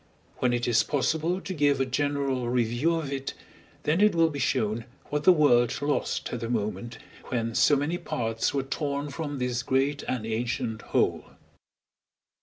When it is possible to give a general review of it, then it will be shown what the world lost at the moment when so many parts were torn from this great and ancient whole.